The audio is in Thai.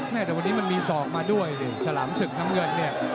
แต่วันนี้มันมีศอกมาด้วยดิฉลามศึกน้ำเงินเนี่ย